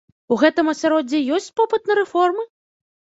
У гэтым асяроддзі ёсць попыт на рэформы?